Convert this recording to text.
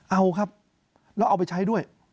เอาครับแล้วเอาไปใช้ด้วย